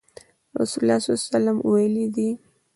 رسول الله صلی الله عليه وسلم ويلي دي :